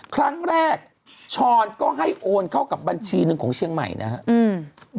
ครั้งแรกช้อนก็ให้โอนเข้ากับบัญชีหนึ่งของเชียงใหม่นะครับ